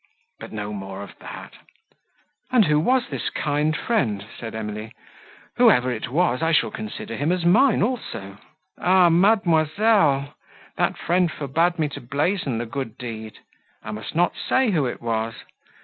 —but no more of that—" "And who was this kind friend?" said Emily: "whoever it was, I shall consider him as mine also." "Ah, mademoiselle! that friend forbade me to blazon the good deed—I must not say, who it was.